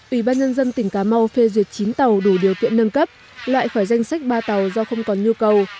ủy ban nhân dân tỉnh cà mau phê duyệt chín tàu đủ điều kiện nâng cấp loại khỏi danh sách ba tàu do không còn nhu cầu